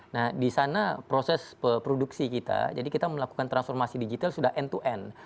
nah di sana proses produksi kita jadi kita melakukan transformasi digital sudah end to end